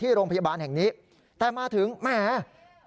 โรงพยาบาลแห่งนี้แต่มาถึงแหม